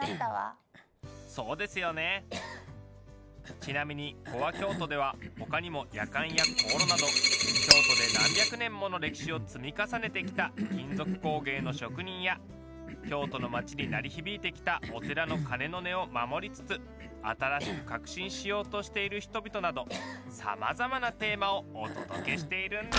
ちなみに「ＣｏｒｅＫｙｏｔｏ」では他にもやかんや香炉など京都で何百年もの歴史を積み重ねてきた金属工芸の職人や京都の町に鳴り響いてきたお寺の鐘の音を守りつつ新しく革新しようとしている人々などさまざまなテーマをお届けしているんですよ。